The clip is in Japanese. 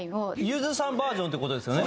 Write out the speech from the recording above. ゆずさんバージョンって事ですよね。